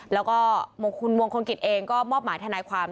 แล้วก็คุณมงคลกิจเองก็มอบหมายทนายความ